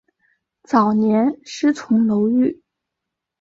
早年师从楼郁。